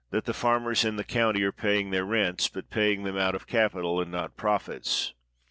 156 COBDEN farmers in the county are paying their rents, but paying them out of capital, and not profits.